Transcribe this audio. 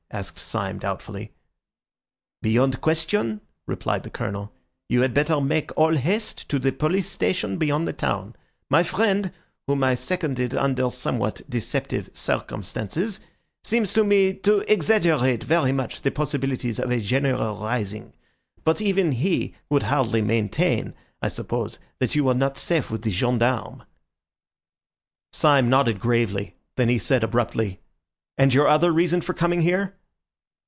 asked Syme doubtfully. "Beyond question," replied the Colonel, "you had better make all haste to the police station beyond the town. My friend, whom I seconded under somewhat deceptive circumstances, seems to me to exaggerate very much the possibilities of a general rising; but even he would hardly maintain, I suppose, that you were not safe with the gendarmes." Syme nodded gravely; then he said abruptly— "And your other reason for coming here?"